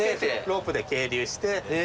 ロープで係留して。